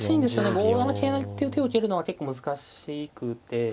５七桂成っていう手を受けるのは結構難しくて。